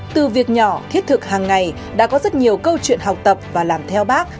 từ việc nhỏ thiết thực hàng ngày đã có rất nhiều câu chuyện học tập và làm theo bác